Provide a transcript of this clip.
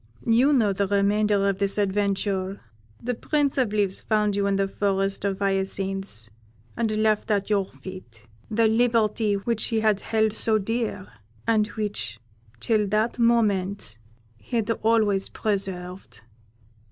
You know the remainder of this adventure. The Prince of Leaves found you in the forest of hyacinths, and left at your feet the liberty which he had held so dear, and which, till that moment, he had always preserved.